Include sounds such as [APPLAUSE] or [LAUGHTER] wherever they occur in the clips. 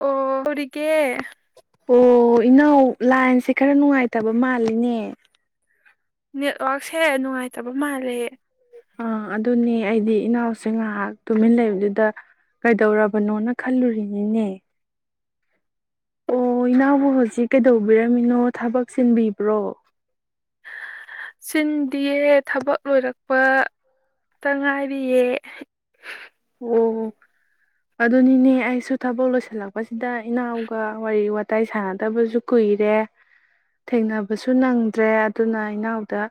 ꯑꯣ ꯍꯧꯔꯤꯀꯦ ꯑꯣ ꯏꯅꯥꯎ ꯂꯥꯏꯟꯁꯦ ꯈꯔ ꯅꯨꯡꯉꯥꯏꯇꯕ ꯃꯥꯜꯂꯤꯅꯦ ꯅꯦꯠꯋꯔꯛꯁꯦ ꯅꯨꯡꯉꯥꯏꯇꯕ ꯃꯥꯜꯂꯦ ꯑꯥ ꯑꯗꯨꯅꯦ ꯑꯩꯗꯤ ꯏꯅꯥꯎꯁꯦ ꯉꯥꯏꯍꯥꯛ ꯇꯨꯃꯤꯟ ꯂꯩꯕꯗꯨꯗ ꯀꯩꯗꯧꯔꯕꯅꯣꯅ ꯈꯜꯂꯨꯔꯤꯅꯤꯅꯦ ꯑꯣ ꯏꯅꯥꯎꯕꯨ ꯍꯧꯖꯤꯛ ꯀꯩꯗꯧꯕꯤꯔꯝꯃꯤꯅꯣ ꯊꯕꯛ ꯆꯤꯟꯕꯤꯕ꯭ꯔꯣ ꯆꯤꯟꯗꯤꯌꯦ ꯊꯕꯛ ꯂꯣꯏꯔꯛꯄ ꯇ ꯉꯥꯏꯔꯤꯌꯦ ꯑꯣ ꯑꯗꯨꯅꯤꯅꯦ ꯑꯩꯁꯨ ꯊꯕꯛ ꯂꯣꯏꯁꯤꯜꯂꯛꯄꯁꯤꯗ ꯏꯅꯥꯎꯒ ꯋꯥꯔꯤ ꯋꯥꯇꯥꯏ ꯁꯥꯟꯅꯗꯕꯁꯨ ꯀꯨꯏꯔꯦ ꯊꯦꯡꯅꯕꯁꯨ ꯅꯪꯗ꯭ꯔꯦ ꯑꯗꯨꯅ ꯏꯅꯥꯎꯗ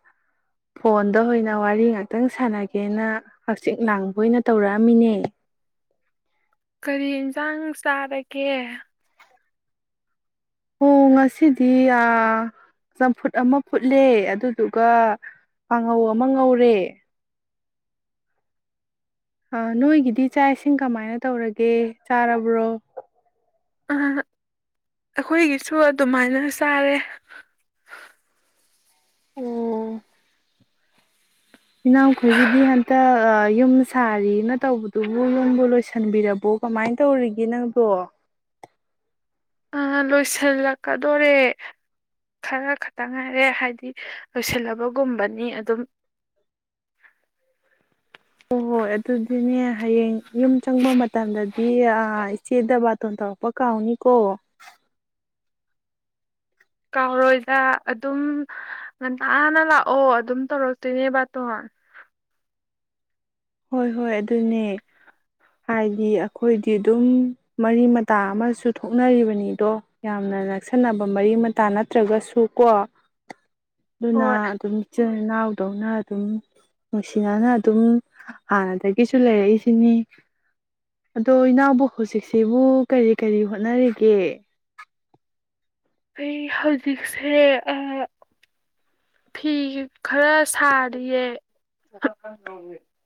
ꯐꯣꯟꯗ ꯑꯣꯏꯅ ꯋꯥꯔꯤ ꯉꯥꯛꯇꯪ ꯁꯥꯟꯅꯒꯦꯅ ꯍꯛꯆꯤ ꯂꯥꯡꯕ ꯑꯣꯏꯅ ꯇꯧꯔ ꯉꯃꯤꯅꯦ ꯀꯔꯤ ꯌꯦꯟꯁꯥꯡ ꯆꯥꯔꯒꯦ ꯑꯣ ꯉꯁꯤꯗꯤ ꯆꯝꯐꯨꯠ ꯑꯃ ꯐꯨꯠꯂꯦ ꯑꯗꯨꯗꯨꯒ ꯀꯥꯡꯉꯧ ꯑꯃ ꯉꯧꯔꯦ ꯑ ꯅꯣꯏꯒꯤꯗꯤ ꯆꯥꯛ ꯏꯁꯤꯡ ꯀꯃꯥꯏꯅ ꯇꯧꯔꯒꯦ ꯆꯥꯔꯕ꯭ꯔꯣ ꯑ ꯑꯩꯈꯣꯏꯒꯤꯁꯨ ꯑꯗꯨꯃꯥꯏꯅ ꯆꯥꯔꯦ ꯑꫭ ꯏꯅꯥꯎꯈꯣꯏꯒꯤꯗꯤ ꯍꯟꯇꯛ ꯌꯨꯝ ꯁꯥꯔꯤꯅ ꯇꯧꯕꯗꯨꯕꯨ ꯌꯨꯝꯕꯨ ꯂꯣꯏꯁꯤꯟꯕꯤꯔꯕꯣ ꯀꯃꯥꯏꯅ ꯇꯧꯔꯤꯒꯦ ꯅꯪꯗꯣ ꯑ ꯂꯣꯏꯁꯤꯜꯂꯛꯀꯗꯣꯔꯦ ꯈꯔ ꯈꯛꯇꯪ ꯉꯥꯏꯔꯦ ꯍꯥꯏꯗꯤ ꯂꯣꯏꯁꯤꯜꯂꯕꯒꯨꯝꯕꯅꯤ ꯑꯗꯨꯝ ꯍꯣꯏ ꯍꯣꯏ ꯑꯗꯨꯗꯤꯅꯦ ꯍꯌꯦꯡ ꯌꯨꯝ ꯆꯪꯕ ꯃꯇꯝꯗꯗꯤ ꯏꯆꯦꯗ ꯕꯥꯇꯣꯟ ꯇꯧꯔꯛꯄ ꯀꯥꯎꯅꯤꯀꯣ ꯀꯥꯎꯔꯣꯏꯗ ꯑꯗꯨꯝ ꯉꯟꯇꯅ ꯂꯥꯛꯑꯣ ꯑꯗꯨꯝ ꯇꯧꯔꯛꯇꯣꯏꯅꯦ ꯕꯥꯇꯣ ꯍꯣꯏ ꯍꯣꯏ ꯑꯗꯨꯅꯦ ꯍꯥꯏꯗꯤ ꯑꯩꯈꯣꯏꯗꯤ ꯑꯗꯨꯝ ꯃꯔꯤ ꯃꯇꯥ ꯑꯃꯁꯨ ꯊꯣꯛꯅꯔꯤꯕꯅꯤꯗꯣ ꯌꯥꯝꯅ ꯅꯛꯁꯟꯅꯕ ꯃꯔꯤ ꯃꯇꯥ ꯅꯠꯇ꯭ꯔꯒꯁꯨ ꯀꯣ ꯑꯗꯨꯅ ꯍꯣꯏ ꯑꯗꯨꯝ ꯏꯆꯤꯜ ꯏꯅꯥꯎ ꯇꯧꯅ ꯑꯗꯨꯝ ꯅꯨꯡꯁꯤꯅꯅ ꯑꯗꯨꯝ ꯍꯥꯟꯅꯗꯒꯤꯁꯨ ꯂꯩꯔꯛꯏꯁꯤꯅꯤ ꯑꯗꯣ ꯏꯅꯥꯎꯕꯨ ꯍꯧꯖꯤꯛꯁꯤꯕꯨ ꯀꯔꯤ ꯀꯔꯤ ꯍꯣꯠꯅꯔꯤꯒꯦ ꯑꯩ ꯍꯧꯖꯤꯛꯁꯦ ꯑ ꯐꯤ ꯈꯔ ꯁꯥꯔꯤꯌꯦ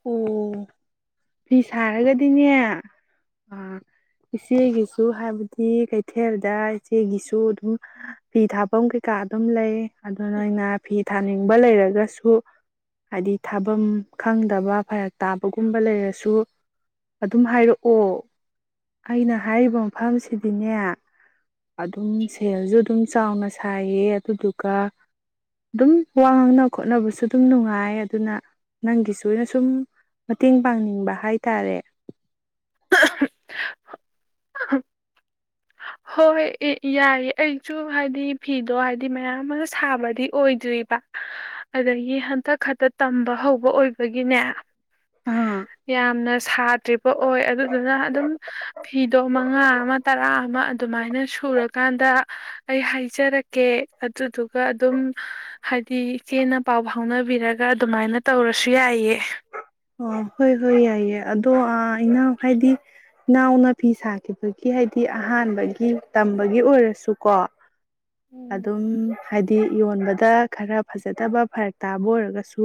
ꯑꯣ ꯐꯤ ꯁꯥꯔꯒꯗꯤꯅꯦ ꯑ ꯏꯆꯦꯒꯤꯁꯨ ꯍꯥꯏꯕꯗꯤ ꯀꯩꯊꯦꯜꯗ ꯏꯆꯦꯒꯤꯁꯨ ꯑꯗꯨꯝ ꯐꯤ ꯊꯥꯐꯝ ꯀꯩꯀꯥ ꯑꯗꯨꯝ ꯂꯩ ꯑꯗꯣ ꯅꯣꯏꯅ ꯐꯤ ꯊꯥꯅꯤꯡꯕ ꯂꯩꯔꯒꯁꯨ ꯍꯥꯏꯗꯤ ꯊꯥꯐꯝ ꯈꯪ ꯗꯕ ꯐꯔꯛ ꯇꯥꯕꯒꯨꯝꯕ ꯂꯩꯔꯁꯨ ꯑꯗꯨꯝ ꯍꯥꯏꯔꯛꯑꯣ ꯑꯩꯅ ꯍꯥꯏꯔꯤꯕ ꯃꯐꯝꯁꯤꯗꯤꯅꯦ ꯑꯗꯨꯝ ꯁꯦꯜꯖꯨ ꯑꯗꯨꯝ ꯆꯥꯎꯅ ꯁꯥꯏꯌꯦ ꯑꯗꯨꯗꯨꯒ ꯑꯗꯨꯝ ꯋꯥ ꯉꯥꯡꯅ ꯈꯣꯠꯅꯕꯁꯨ ꯑꯗꯨꯝ ꯅꯨꯡꯉꯥꯏ ꯑꯗꯨꯅ ꯅꯪꯒꯤꯁꯨ ꯂꯣꯏꯅ ꯁꯨꯝ ꯃꯇꯦꯡ ꯄꯥꯡꯅꯤꯡꯕ ꯍꯥꯏꯇꯥꯔꯦ ꯑ ꯍꯝ ꯍꯣꯏ ꯌꯥꯏꯌꯦ ꯑꯩꯖꯨ ꯍꯥꯏꯗꯤ ꯐꯤꯗꯣ ꯍꯥꯏꯗꯤ ꯃꯌꯥꯝ ꯑꯃ ꯁꯥꯕꯗꯤ ꯑꯣꯏꯗ꯭ꯔꯤꯕ ꯑꯗꯒꯤ ꯍꯟꯇꯛ ꯈꯛꯇ ꯇꯝꯕ ꯍꯧꯕ ꯑꯣꯏꯕꯒꯤꯅꯦ ꯑꯥ ꯌꯥꯝꯅ ꯁꯥ ꯑꯣꯏ ꯑꯗꯨꯗꯨꯅ ꯑꯗꯨꯝ ꯐꯤꯗꯣ ꯃꯉꯥ ꯑꯃ ꯇꯔꯥ ꯑꯃ ꯃꯥꯏꯅ ꯁꯨꯔꯀꯥꯟꯗ ꯑꯩ ꯍꯥꯏꯖꯔꯛꯀꯦ ꯑꯗꯨꯗꯨꯒ ꯑꯗꯨꯝ ꯍꯥꯏꯗꯤ ꯏꯆꯦꯅ ꯄꯥꯎ ꯐꯥꯎꯅꯕꯤꯔꯒ ꯈꯔ ꯑꯗꯨꯃꯥꯏꯅ ꯇꯧꯔꯁꯨ ꯌꯥꯏꯌꯦ ꯑꯣ ꯍꯣꯏ ꯍꯣꯏ ꯌꯥꯏꯌꯦ ꯑꯗꯣ ꯑ ꯏꯅꯥꯎ ꯍꯥꯏꯗꯤ ꯏꯅꯥꯎꯅ ꯐꯤ ꯁꯥꯈꯤꯕꯒꯤ ꯍꯥꯏꯗꯤ ꯑꯍꯥꯟꯕꯒꯤ ꯇꯝꯕꯒꯤ ꯑꯣꯏꯔꯁꯨꯀꯣ ꯎꯝ ꯑꯗꯨꯝ ꯍꯥꯏꯗꯤ ꯌꯣꯟꯕꯗ ꯈꯔ ꯐꯖꯗꯕ ꯐꯔꯛ ꯇꯥꯕ ꯑꯣꯏꯔꯒꯁꯨ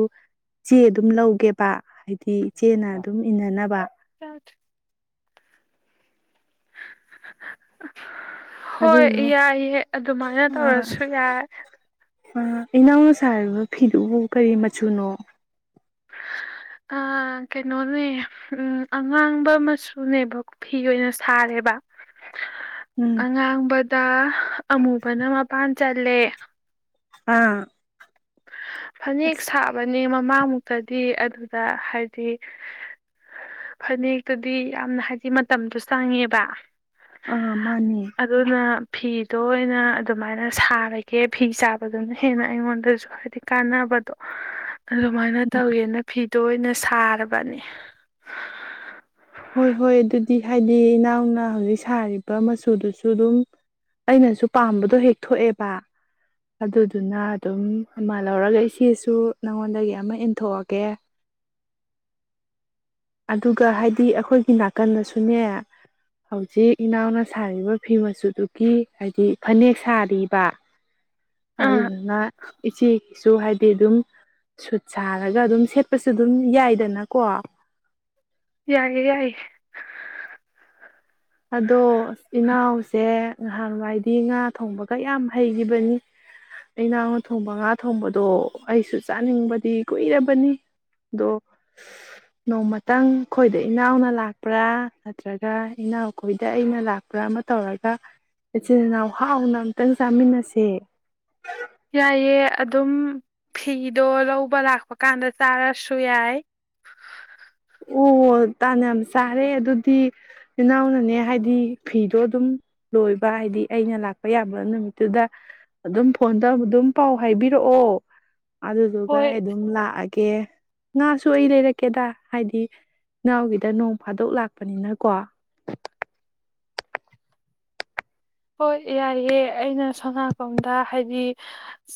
ꯆꯦ ꯑꯗꯨꯝ ꯂꯧꯒꯦꯕ ꯍꯥꯏ ꯗꯤ ꯏꯆꯦꯅ ꯑꯗꯨꯝ ꯏꯟꯅꯅꯕ ꯆꯥꯗ꯭ꯔꯤ ꯍꯣꯏ ꯑꯗꯨꯗꯣ ꯌꯥꯏꯌꯦ ꯑꯗꯨꯃꯥꯏꯅ ꯇꯧꯔꯁꯨ ꯌꯥꯏ ꯑ ꯏꯅꯥꯎꯅ ꯁꯥꯔꯤꯕ ꯐꯤꯗꯨꯕꯨ ꯀꯔꯤ ꯃꯆꯨꯅꯣ ꯑ ꯀꯩꯅꯣꯅꯦ ꯎꯝ ꯑꯉꯥꯡꯕ ꯃꯆꯨꯅꯦꯕ ꯐꯤ ꯑꯣꯏꯅ ꯁꯥꯔꯦꯕ ꯎꯝ ꯑꯉꯥꯡꯕ ꯇ ꯑꯃꯨꯕꯅ ꯃꯄꯥꯟ ꯆꯜꯂꯦ ꯑꯥ ꯐꯅꯦꯛ ꯑꯁ ꯁꯥꯕꯅꯦ ꯃꯃꯥꯡ ꯃꯨꯛꯇꯗꯤ ꯑꯗꯨꯗ ꯍꯥꯏꯗꯤ ꯐꯅꯦꯛꯇꯨꯗꯤ ꯌꯥꯝꯅ ꯍꯥꯏꯗꯤ ꯃꯇꯝꯗꯣ ꯆꯪꯉꯦꯕ ꯑꯥ ꯃꯥꯅꯤ ꯑꯗꯨꯅ ꯐꯤꯗꯣ ꯑꯣꯏꯅ ꯑꯗꯨꯃꯥꯏꯅ ꯁꯥꯔꯒꯦ ꯐꯤ ꯁꯥꯕꯗꯨꯅ ꯍꯦꯟꯅ ꯑꯩꯉꯣꯟꯗꯁꯨ ꯍꯥꯏꯗꯤ ꯀꯥꯟꯅꯕꯗꯣ ꯑꯗꯨꯃꯥꯏꯅ ꯇꯧꯋꯦꯅ ꯐꯤ ꯇꯣꯏꯅ ꯁꯥꯔꯕꯅꯤ ꯍꯣꯏ ꯍꯣꯏ ꯑꯗꯨꯗꯤ ꯍꯥꯏꯗꯤ ꯏꯅꯥꯎꯅ ꯍꯧꯖꯤꯛ ꯁꯥꯔꯤꯕ ꯃꯆꯨꯗꯨꯁꯨ ꯑꯗꯨꯝ ꯑꯩꯅꯁꯨ ꯄꯥꯝꯕꯗꯣ ꯍꯦꯛ ꯊꯣꯛꯣꯛꯑꯦꯕ ꯑꯗꯨꯗꯨꯅ ꯑꯗꯨꯝ ꯑꯃ ꯂꯧꯔꯒ ꯏꯆꯦꯁꯨ ꯅꯉꯣꯟꯗꯒꯤ ꯑꯃ ꯏꯟꯊꯣꯛꯑꯒꯦ ꯑꯗꯨꯒ ꯍꯥꯏꯗꯤ ꯑꯩꯈꯣꯏꯒꯤ ꯅꯥꯀꯟꯗꯁꯨꯅꯦ ꯍꯧꯖꯤꯛ ꯏꯅꯥꯎꯅ ꯁꯥꯔꯤꯕ ꯐꯤ ꯃꯆꯨꯗꯨꯒꯤ ꯍꯥꯏꯗꯤ ꯐꯅꯦꯛ ꯁꯥꯔꯤꯕ ꯑꯥ ꯑꯗꯨꯅ ꯏꯆꯦꯒꯤꯁꯨ ꯍꯥꯏꯗꯤ ꯑꯗꯨꯝ ꯁꯨꯠ ꯁꯥꯔꯒ ꯑꯗꯨꯝ ꯁꯦꯠꯄꯁꯨ ꯑꯗꯨꯝ ꯌꯥꯏꯗꯅ ꯀꯣ ꯌꯥꯏꯌꯦ ꯌꯥꯏꯌꯦ ꯑꯗꯣ ꯏꯅꯥꯎꯁꯦ ꯅꯍꯥꯟꯋꯥꯏꯗꯤ ꯉꯥ ꯊꯣꯡꯕꯒ ꯌꯥꯝ ꯍꯩꯈꯤꯕꯅꯤ ꯏꯅꯥꯎꯅ ꯊꯣꯡꯕ ꯉꯥ ꯊꯣꯡꯕꯗꯣ ꯑꯩꯁꯨ ꯆꯥꯅꯤꯡꯕꯗꯤ ꯀꯨꯏꯔꯕꯅꯤ ꯑꯗꯣ ꯅꯣꯡꯃꯇꯪ ꯑꯩꯈꯣꯏꯗ ꯏꯅꯥꯎꯅ ꯂꯥꯛꯄ꯭ꯔꯥ ꯅꯠꯇ꯭ꯔꯒ ꯏꯅꯥꯎ ꯑꯩꯈꯣꯏꯗ ꯑꯩꯅ ꯂꯥꯛꯄ꯭ꯔ ꯑꯃ ꯇꯧꯔꯒ ꯏꯆꯤꯟꯜ ꯏꯅꯥꯎ ꯍꯥꯎꯅ ꯑꯃꯝꯇꯪ ꯆꯥꯃꯤꯟꯅꯁꯦ ꯌꯥꯏꯑꯦ ꯑꯗꯨꯝ ꯐꯤꯗꯣ ꯂꯧꯕ ꯂꯥꯛꯄ ꯀꯥꯟꯗ ꯆꯥꯔꯁꯨ ꯌꯥꯏ ꯑꯣ ꯇꯥꯅ ꯌꯥꯝ ꯆꯥꯔꯦ ꯑꯗꯨꯗꯤ ꯏꯅꯥꯎꯅꯅꯦ ꯍꯥꯏꯗꯤ ꯐꯤꯗꯣ ꯑꯗꯨꯝ ꯂꯣꯏꯕ ꯍꯥꯏꯗꯤ ꯑꯩꯅ ꯂꯥꯛꯄ ꯌꯥꯕ ꯅꯨꯃꯤꯠꯇꯨꯗ ꯑꯗꯨꯝ ꯐꯣꯟ ꯇꯧ ꯑꯗꯨꯝ ꯄꯥꯎ ꯍꯥꯏꯕꯤꯔꯛꯑꯣ ꯑꯗꯨꯗꯨꯒ ꯑꯩ ꯍꯣꯏ ꯑꯗꯨꯝ ꯂꯥꯛꯑꯒꯦ ꯑꯣꯀꯦ ꯉꯥꯁꯨ ꯑꯩ ꯂꯩꯔꯛꯀꯦꯗ ꯍꯥꯏꯗꯤ ꯅꯥꯎꯒꯤꯗ ꯅꯣꯡ ꯐꯥꯗꯣꯛ ꯂꯥꯛꯄꯅꯤꯅꯀꯣ ꯍꯣꯏ ꯌꯥꯏꯑꯦ ꯑꯩꯅ ꯁꯣꯅꯥꯀꯣꯡꯗ ꯍꯥꯏꯗꯤ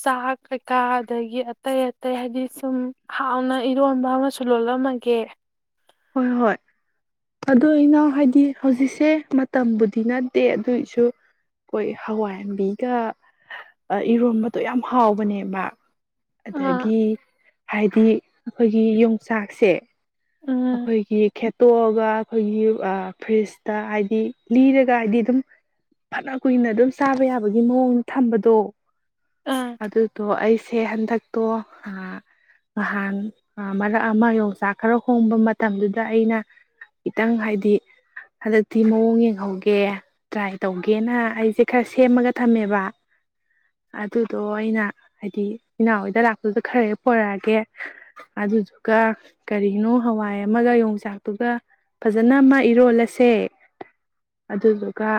ꯆꯥꯛ ꯀꯩꯀꯥ ꯑꯗꯒꯤ ꯑꯇꯩ ꯑꯇꯩ ꯍꯥꯏꯕꯗꯤ ꯁꯨꯝ ꯍꯥꯎꯅ ꯏꯔꯣꯟꯕ ꯑꯃꯁꯨ ꯂꯣꯜꯂꯝꯃꯒꯦ ꯍꯣꯏ ꯍꯣꯏ ꯑꯗꯨ ꯏꯅꯥꯎ ꯍꯥꯏꯗꯤ ꯍꯧꯖꯤꯛꯁꯦ ꯃꯇꯝꯕꯨꯗꯤ ꯅꯠꯇꯦ ꯑꯗꯨꯏꯁꯨ ꯑꯩꯈꯣꯏ ꯍꯋꯥꯏꯟꯕꯤꯒ ꯏꯔꯣꯟꯝꯕꯗꯣ ꯌꯥꯝ ꯍꯥꯎꯕꯅꯦꯕ ꯑꯥ ꯑꯗꯒꯤ ꯍꯥꯏꯗꯤ ꯑꯩꯈꯣꯏꯒꯤ ꯌꯣꯡꯆꯥꯛꯁꯦ ꯎꯝ ꯑꯩꯈꯣꯏꯒꯤ ꯈꯦ ꯇꯣꯛꯑꯒ ꯑꯩꯈꯣꯏꯒꯤ ꯐ꯭ꯔꯤꯖꯇ ꯍꯥꯏꯗꯤ ꯂꯤꯔꯒ ꯍꯥꯏꯕꯗꯤ ꯑꯗꯨꯝ ꯐꯅ ꯀꯨꯏꯅ ꯑꯗꯨꯝ ꯆꯥꯕ ꯌꯥꯕꯒꯤ ꯃꯑꯣꯡ ꯊꯝꯕꯗꯣ ꯑꯥ ꯑꯗꯨ ꯇꯣ ꯑꯩꯁ ꯁꯦ ꯍꯟꯗꯛꯇꯣ ꯅꯍꯥꯟ ꯃꯔꯛ ꯑꯃ ꯌꯣꯡꯆꯥꯛ ꯈꯔ ꯍꯣꯡꯕ ꯃꯇꯝꯗꯨꯗ ꯑꯩꯅ ꯈꯤꯇꯪ ꯍꯥꯏꯗꯤ ꯍꯟꯗꯛꯇꯤ ꯃꯑꯣꯡ ꯌꯦꯡꯍꯧꯒꯦ ꯇ꯭ꯔꯥꯏ ꯇꯧꯒꯦꯅ ꯑꯩꯁꯦ ꯈꯔ ꯁꯦꯝꯃꯒ ꯊꯝꯃꯦꯕ ꯑꯗꯨꯗꯣ ꯑꯩꯅ ꯍꯥꯏꯗꯤ ꯏꯅꯥꯎꯣꯏꯗ ꯂꯥꯛꯄꯗꯨꯗ ꯈꯔ ꯍꯦꯛ ꯄꯔꯛꯑꯒꯦ ꯑꯗꯨꯗꯨꯒ ꯀꯔꯤꯅꯣ ꯍꯋꯥꯏ ꯑꯃꯒ ꯌꯣꯡꯆꯥꯛꯇꯨꯒ ꯐꯖꯅ ꯑꯃ ꯏꯔꯣꯜꯂꯁꯦ ꯑꯗꯨꯗꯨꯒ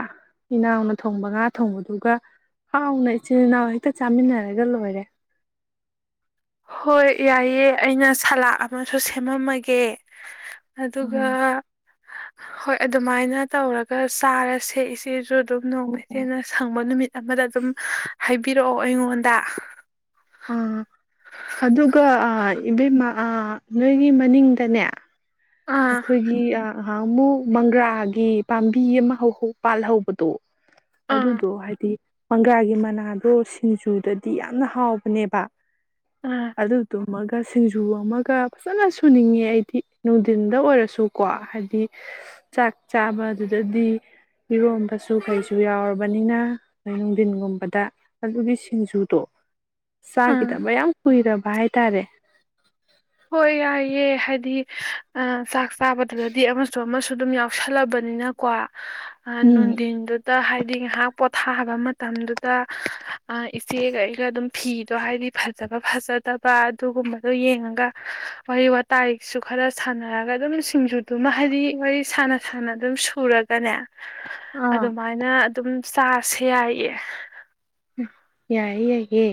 ꯏꯅꯥꯎꯅ ꯊꯣꯡꯕ ꯉꯥ ꯊꯣꯡꯕꯗꯨꯒ ꯍꯥꯎꯅ ꯏꯆꯤꯟꯜ ꯏꯅꯥꯎ ꯍꯦꯛꯇ ꯆꯥꯃꯤꯟꯅꯔꯒ ꯂꯣꯏꯔꯦ ꯍꯣꯏ ꯌꯥꯏꯑꯦ ꯑꯩꯅ ꯁꯥꯂꯛꯑ ꯑꯃꯁꯨ ꯁꯦꯝꯃꯝꯃꯒꯦ ꯑꯗꯨꯒ ꯎꯝ ꯍꯣꯏ ꯑꯗꯨꯃꯥꯏꯅ ꯇꯧꯔꯒ ꯆꯥꯔ ꯁꯦꯏꯆꯦꯁꯨ ꯑꯗꯨꯝ ꯅꯣꯡꯃ ꯏꯆꯦꯅ ꯁꯪꯕ ꯅꯨꯃꯤꯠ ꯑꯃꯗ ꯑꯗꯨꯝ ꯍꯥꯏꯕꯤ ꯄꯤꯔꯛꯑꯣ ꯑꯩꯉꯣꯟꯗ ꯑꯥ ꯑꯗꯨꯒ ꯏꯕꯦꯝꯃ ꯅꯣꯏꯒꯤ ꯃꯅꯤꯡꯗꯅꯦ ꯑꯥ ꯑꯩꯈꯣꯏꯒꯤ ꯑꯍꯥꯛ ꯑꯃꯨꯛ ꯃꯪꯒ꯭ꯔꯥꯒꯤ ꯄꯥꯝꯕꯤ ꯑꯃ ꯄꯥꯜꯍꯧꯕꯗꯣ ꯑꯥ ꯑꯗꯨꯗꯣ ꯍꯥꯏꯗꯤ ꯄꯪꯒꯥꯥꯒꯤ ꯃꯅꯥꯗꯣ ꯁꯤꯡꯖꯨꯗꯗꯤ ꯌꯥꯝꯅ ꯍꯥꯎ ꯐꯅꯦꯕ ꯑꯥ ꯑꯗ ꯇ ꯑꯃꯒ ꯁꯤꯡꯖꯨ ꯑꯃꯒ ꯐꯖꯅ ꯁꯨꯅꯤꯡꯉꯦ ꯑꯩꯗꯤ ꯅꯨꯡꯙꯤꯟꯗ ꯑꯣꯏꯔꯁꯨꯀꯣ ꯍꯥꯏꯗꯤ ꯆꯥꯛ ꯆꯥꯕꯗꯨꯗꯗꯤ ꯃꯤꯔꯣꯟꯝꯕꯁꯨ ꯀꯩꯁꯨ ꯌꯥꯎꯔꯕꯅꯤꯅ ꯅꯣꯏ ꯅꯨꯡꯊꯤꯟꯒꯨꯝꯕꯗ ꯑꯗꯨꯒꯤ ꯁꯤꯡꯖꯨꯗꯣ ꯎꯝ ꯆꯥꯈꯤꯗꯕꯌꯥꯝ ꯀꯨꯏꯔꯕ ꯚꯥꯏ ꯇꯔꯦ ꯍꯣꯏ ꯌꯥꯏꯌꯦꯦ ꯍꯥꯏꯗꯤ ꯑ ꯆꯥꯛ ꯄꯥꯕꯗꯨꯗꯗꯤ ꯑꯃꯁꯨ ꯑꯃꯁ ꯁꯨ ꯑꯗꯨꯝ ꯌꯥꯎꯁꯜꯂꯕꯅꯤꯅꯀꯣ ꯎꯝ ꯅꯨꯡꯟꯗꯤꯟꯗꯨꯗ ꯍꯥꯏꯗꯤ ꯉꯍꯥꯛꯣ ꯊꯥꯕ ꯃꯇꯝꯗꯨꯗ ꯏꯆꯦꯒ ꯑꯩꯒ ꯑꯗꯨꯝ ꯐꯤꯗꯣ ꯍꯥꯏꯗꯤ ꯐꯖꯕ ꯐꯖꯗꯕ ꯑꯗꯨꯒꯨꯝꯕꯗꯣ ꯌꯦꯡꯉꯒ ꯋꯥꯔꯤ ꯋꯥꯇꯥꯏꯁꯨ ꯈꯔ ꯁꯥꯟꯅꯔꯒ ꯑꯗꯨꯝ ꯁꯤꯡꯖꯨꯗꯨꯃ ꯍꯥꯏꯗꯤ ꯋꯥꯔꯤ ꯁꯥꯟꯅ ꯁꯥꯟꯅ ꯑꯗꯨꯝ ꯁꯨꯔꯒꯅꯦ ꯑꯥ ꯑꯗꯨꯃꯥꯏꯅ ꯑꯗꯨꯝ ꯆꯥꯁꯨ ꯌꯥꯏꯌꯦ ꯌꯥꯏꯌꯦ ꯌꯥꯏꯌꯦꯦ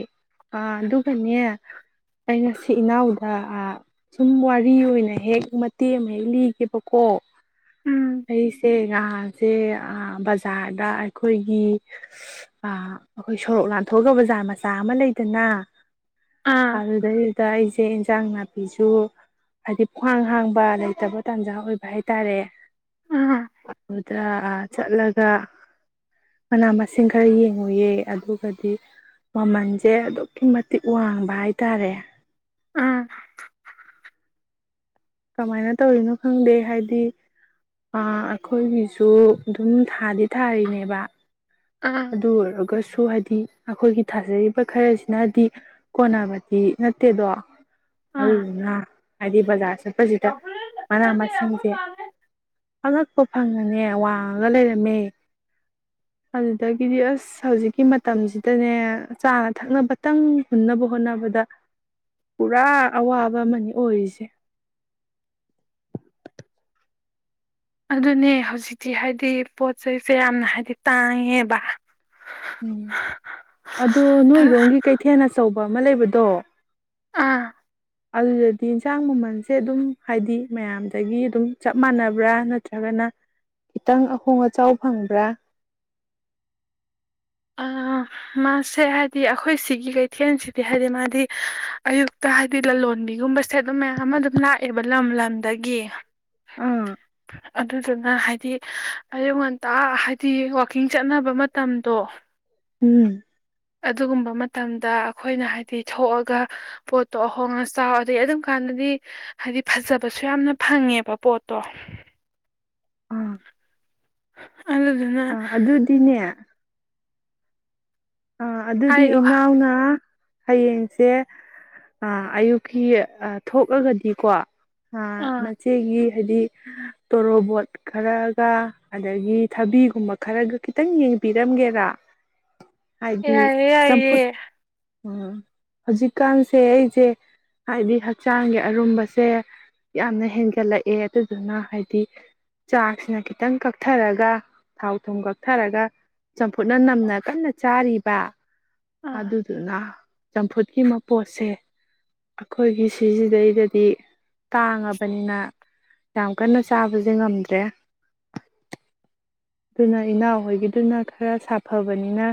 ꯑ ꯑꯗꯨꯒꯅꯦ ꯑꯩ ꯉꯁꯤ ꯏꯅꯥꯎꯗ ꯁꯨꯝ ꯋꯥꯔꯤ ꯑꯣꯏꯅ ꯍꯦꯛ ꯃꯇꯦꯛ ꯑꯃ ꯍꯦꯛ ꯂꯤꯒꯦꯕꯀꯣ ꯎꯝ ꯍꯥꯏꯁꯦ ꯉꯥꯁꯦ ꯕꯖꯥꯔꯗ ꯑꯩꯈꯣꯏꯒꯤ ꯑꯩꯈꯣꯏ ꯁꯣꯔꯣꯛ ꯂꯥꯟꯊꯣꯛꯒ ꯕꯖꯥꯔ ꯃꯆꯥ ꯑꯃ ꯂꯩꯗꯅ ꯑꯥ ꯑꯗꯨꯗꯦ ꯗ ꯑꯩꯁꯦ ꯏꯟꯁꯥꯡ ꯅꯥꯄꯤꯁꯨ ꯍꯥꯏꯗꯤ ꯈ꯭ꯍꯥꯡ ꯍꯥꯡꯕ ꯂꯩꯇꯕ ꯇꯥꯟꯖꯥ ꯑꯣꯏꯕ ꯍꯥꯏꯇꯥꯔꯦ ꯑꯥ ꯑꯗꯨꯗ ꯆꯠꯂꯒ ꯃꯅꯥ ꯃꯁꯤꯡ ꯈꯔ ꯌꯦꯡꯉꯨꯌꯦ ꯑꯗꯨꯒꯗꯤ ꯃꯃꯜꯁꯦ ꯑꯗꯨꯛꯀꯤ ꯃꯇꯤꯛ ꯋꯥꯡꯕ ꯍꯥꯏꯇꯥꯔꯦ ꯑꯥ ꯀꯃꯥꯏꯅ ꯇꯧꯔꯤꯅꯣ ꯈꯪꯗꯦ ꯍꯥꯏꯗꯤ ꯑꯩꯈꯣꯏꯒꯤꯁꯨ ꯑꯗꯨꯝ ꯊꯥꯗꯤ ꯊꯥꯔꯤꯅꯦꯕ ꯑꯥ ꯑꯗꯨ ꯑꯣꯒꯁ ꯁꯨ ꯍꯥꯏꯗꯤ ꯑꯩꯈꯣꯏꯒꯤ ꯊꯥꯖꯔꯤꯕ ꯈꯔꯁꯤꯅꯗꯤ ꯀꯣꯟꯅꯕꯗꯤ ꯅꯠꯇꯦꯗꯣ ꯑꯥ ꯑꯗꯨꯜꯅ ꯑꯗꯤꯕꯖꯥꯁ ꯆꯠꯄꯁꯤꯗ ꯃꯅꯥ ꯃꯁꯤꯡꯁꯦ ꯑꯉꯛꯄ ꯐꯪꯉꯅꯦ ꯋꯥꯡꯉꯒ ꯂꯩꯔꯝꯃꯦ ꯑꯗꯒꯤꯗꯤ ꯑꯁ ꯍꯧꯖꯤꯛꯀꯤ ꯃꯇꯝꯁꯤꯗꯅꯦ ꯆꯥꯅ ꯊꯛꯅꯕꯇꯪ ꯍꯨꯟꯅꯕ ꯍꯣꯠꯅꯕꯗ ꯄꯨꯔꯥ ꯑꯋꯥꯕ ꯑꯃꯅꯤ ꯑꯣꯏꯔꯤꯁꯦ ꯑꯗꯨꯅꯦ ꯍꯧꯖꯤꯛꯇꯤ ꯍꯥꯏꯗꯤ ꯄꯣꯠ ꯆꯩꯁꯦ ꯌꯥꯝꯅ ꯍꯥꯏꯕꯗꯤ ꯇꯥꯡꯉꯦꯕ ꯎꯝ ꯑꯗꯣ ꯅꯣꯏꯔꯣꯝꯒꯤ ꯑꯥ ꯀꯩꯊꯦꯜ ꯑꯆꯧꯕ ꯍ ꯑꯃ ꯂꯩꯕꯗꯣ ꯑꯗꯨꯗꯗꯤ ꯏꯟꯁꯥꯡ ꯃꯃꯜꯁꯦ ꯑꯗꯨꯝ ꯍꯥꯏꯗꯤ ꯃꯌꯥꯝꯗꯒꯤ ꯑꯗꯨꯝ ꯆꯞ ꯃꯥꯟꯅꯕ꯭ꯔꯥ ꯅꯠꯇ꯭ꯔꯒꯅ ꯈꯤꯇꯪ ꯑꯍꯣꯡ ꯑꯆꯥꯎ ꯐꯪꯕ꯭ꯔꯥ ꯃꯥꯁꯦ ꯍꯥꯏꯗꯤ ꯑꯩꯈꯣꯏ ꯁꯤꯒꯤ ꯀꯩꯊꯦꯜꯁꯤꯗꯤ ꯍꯥꯏꯗꯤ ꯃꯥꯗꯤ ꯑꯌꯨꯛꯇ ꯍꯥꯏꯗꯤ ꯂꯂꯣꯟꯕꯤꯒꯨꯝꯕꯁꯦ ꯑꯗꯨꯝ ꯃꯌꯥꯝ ꯑꯃ ꯑꯗꯨꯝ ꯂꯥꯛꯑꯦꯕ ꯂꯝ ꯂꯝꯗꯒꯤ ꯑꯗꯨ ꯑꯗꯨꯗꯨꯅ ꯍꯥꯏꯗꯤ ꯑꯩꯌꯨ ꯉꯣꯟꯇꯥ ꯍꯥꯏꯗꯤ ꯋꯥꯋꯥꯛꯀꯤꯡ ꯆꯠꯅꯕ ꯃꯇꯝꯗꯣ ꯎꯝ ꯑꯗꯨꯒꯨꯝꯕ ꯃꯇꯝꯗ ꯑꯩꯈꯣꯏꯅ ꯍꯥꯏꯗꯤ ꯊꯣꯛꯑꯒ ꯄꯣꯠꯇꯣ ꯑꯍꯣꯡꯉ ꯆꯥꯎ ꯑꯗꯩ ꯑꯗꯨꯝ ꯀꯥꯟꯗꯗꯤ ꯍꯥꯏꯗꯤ ꯐꯖꯕꯁꯨ ꯌꯥꯝꯅ ꯐꯪꯉꯦꯕ ꯄꯣꯠꯇꯣ ꯍ ꯑ ꯑꯗꯨꯗꯤꯅꯦ ꯑ ꯑꯗꯨꯗꯤ ꯍꯥꯏꯌꯣ ꯏꯅꯥꯎꯅ ꯍꯌꯦꯡꯁꯦ ꯑꯌꯨꯛꯀꯤ ꯊꯣꯛꯂꯒꯗꯤꯀꯣ ꯍꯥ ꯑꯥ ꯅꯆꯦꯒꯤ ꯍꯥꯏꯗꯤ ꯇꯣꯔꯣꯕꯣꯠ ꯈꯔꯒ ꯑꯗꯒꯤ ꯊꯕꯤꯒꯨꯝꯕ ꯈꯔꯒ ꯈꯤꯇꯪ ꯌꯦꯡꯕꯤꯔꯝꯒꯦꯔ ꯌꯥꯏꯌꯦ ꯌꯥꯏꯌꯦ꯫ ꯎꯝ ꯍꯧꯖꯤꯛꯀꯥꯟꯁꯦ ꯑꯩꯖꯦ ꯍꯥꯏꯗꯤ ꯍꯛꯆꯥꯡꯒꯤ ꯑꯔꯨꯝꯕꯁꯦ ꯌꯥꯝꯅ ꯍꯦꯟꯒꯠꯂꯛꯑꯦ ꯑꯗꯨꯗꯨꯅ ꯍꯥꯏꯗꯤ ꯆꯥꯛꯁꯤꯅ ꯈꯤꯇꯪ ꯀꯛꯊꯔꯒ ꯊꯥꯎ ꯊꯨꯝ ꯀꯛꯊꯔꯒ ꯆꯝꯐꯨꯠꯅ ꯅꯝꯅ ꯀꯟꯅ ꯆꯥꯔꯤꯕ꯫ ꯑꯥ ꯑꯗꯨꯗꯨꯅ ꯆꯝꯐꯨꯠꯀꯤ ꯃꯄꯣꯠꯁꯦ ꯑꯩꯈꯣꯏꯒꯤ ꯁꯤꯁꯤꯗꯩꯗꯗꯤ ꯇꯥꯡꯉꯕꯅꯤꯅ ꯌꯥꯝ ꯀꯟꯅ ꯆꯥꯕꯁꯦ ꯉꯝꯗ꯭ꯔꯦ ꯑꯗꯨꯅ ꯏꯅꯥꯎ ꯍꯣꯏꯒꯤꯗꯨꯅ ꯈꯔ ꯁꯥꯐꯕꯅꯤꯅ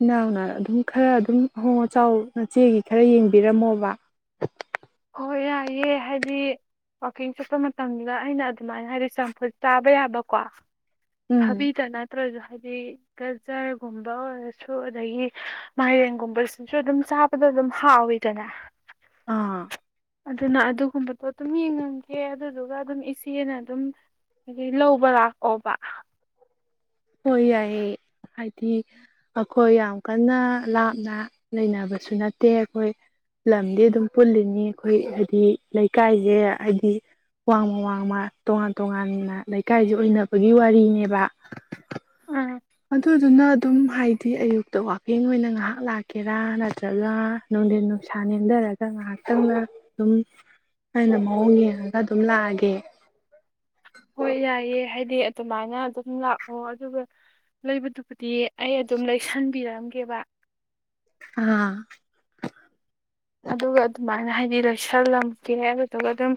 ꯏꯅꯥꯎꯅ ꯑꯗꯨꯝ ꯈꯔ ꯑꯗꯨꯝ ꯑꯍꯣꯡ ꯑꯆꯥꯎ ꯅꯆꯦꯒꯤ ꯈꯔ ꯌꯦꯡꯕꯤꯔꯝꯃꯣꯕ꯫ ꯍꯣꯏ ꯌꯥꯏꯑꯦ ꯍꯥꯏꯗꯤ ꯋꯥꯛꯀꯤꯡ ꯆꯠꯄ ꯃꯇꯝꯗꯨꯗ ꯑꯩꯅ ꯑꯗꯨꯃꯥꯏꯅ ꯍꯥꯏꯗꯤ ꯆꯝꯐꯨꯠ ꯆꯥꯕ ꯌꯥꯕꯀꯣ ꯎꯝ ꯊꯕꯤꯇ ꯅꯠꯇ꯭ꯔꯖꯨ [UNINTELLIGIBLE] [UNINTELLIGIBLE] ꯒꯖꯔꯒꯨꯝꯕ ꯑꯣꯏꯔꯁꯨ ꯑꯗꯒꯤ ꯃꯥꯏꯔꯦꯟꯒꯨꯝꯕꯁꯤꯁꯨ ꯑꯗꯨꯝ ꯆꯥꯕꯗ ꯑꯗꯨꯝ ꯍꯥꯎꯋꯤꯗꯅ꯫ ꯑꯥ꯫ ꯑꯗꯨꯅ ꯑꯗꯨꯒꯨꯝꯕꯗꯣ ꯑꯗꯨꯝ ꯌꯦꯡꯉꯝꯒꯦ ꯑꯗꯨꯗꯨꯒ ꯑꯗꯨꯝ ꯏꯆꯦꯅ ꯑꯗꯨꯝ ꯍꯥꯏꯗꯤ ꯂꯧꯕ ꯂꯥꯛꯑꯣꯕ꯫ ꯍꯣꯏ ꯌꯥꯏꯌꯦ ꯍꯥꯏꯗꯤ ꯑꯩꯈꯣꯏ ꯌꯥꯝ ꯀꯟꯅ ꯂꯥꯞꯅ ꯂꯩꯅꯕꯁꯨ ꯅꯠꯇꯦ ꯑꯩꯈꯣꯏ ꯂꯝꯗꯤ ꯑꯗꯨꯝ ꯄꯨꯜꯂꯤꯅꯤ ꯑꯩꯈꯣꯏ ꯍꯥꯏꯗꯤ ꯂꯩꯀꯥꯏꯖꯦ ꯍꯥꯏꯗꯤ ꯋꯥꯡꯃ ꯋꯥꯡꯃ ꯇꯣꯉꯥꯟ ꯇꯣꯉꯥꯟꯅ ꯂꯩꯀꯥꯏꯖꯤ ꯑꯣꯏꯅꯕꯒꯤ ꯋꯥꯔꯤꯅꯦꯕ꯫ ꯑꯥ ꯑꯗꯨꯗꯨꯅ ꯑꯗꯨꯝ ꯍꯥꯏꯗꯤ ꯑꯌꯨꯛꯇ ꯋꯥꯀꯤꯡ ꯑꯣꯏꯅ ꯉꯍꯥꯛ ꯂꯥꯛꯀꯦꯔꯥ ꯅꯠꯇ꯭ꯔꯒ ꯅꯨꯡꯗꯤꯟ ꯅꯨꯡꯁꯥ ꯅꯦꯝꯗꯔꯒ ꯉꯍꯥꯛꯇꯪꯂ ꯑꯗꯨꯝ ꯑꯩꯅ ꯃꯑꯣꯡ ꯌꯦꯡꯉꯒ ꯑꯗꯨꯝ ꯂꯥꯛꯑꯒꯦ꯫ ꯍꯣꯏ ꯌꯥꯏꯌꯦ ꯍꯥꯏꯗꯤ ꯑꯗꯨꯃꯥꯏꯅ ꯑꯗꯨꯝ ꯂꯥꯛꯑꯣ ꯑꯗꯨꯒ ꯂꯩꯕꯗꯨꯕꯨꯗꯤ ꯑꯩ ꯑꯗꯨꯝ ꯂꯩꯁꯟꯕꯤꯔꯝ ꯀꯦꯕꯥ꯫ ꯑꯥ꯫ ꯑꯗꯨꯒ ꯑꯗꯨꯃꯥꯏꯅ ꯍꯥꯏꯗꯤ ꯂꯩꯁꯜꯂꯝꯒꯦ ꯑꯗꯨꯗꯨꯒ ꯑꯗꯨꯝ